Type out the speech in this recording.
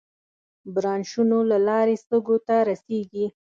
برانشونو له لارې سږو ته رسېږي.